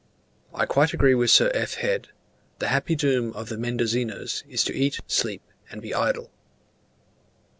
I quite agree with Sir F. Head: the happy doom of the Mendozinos is to eat, sleep and be idle.